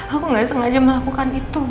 aku gak sengaja melakukan itu